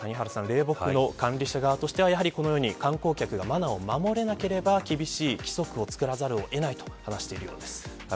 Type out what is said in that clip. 霊木の管理者側としてはやはり、このように観光客がマナーを守れなければ厳しい規則をつくらざるを得ないと話しているそうです。